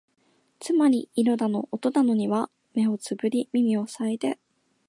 つまり色だの音だのには目をつぶり耳をふさいで、